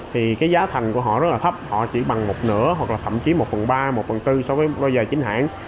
thì cái giá thành của họ rất là thấp họ chỉ bằng một nửa hoặc là thậm chí một phần ba một phần tư so với bây giờ chính hãng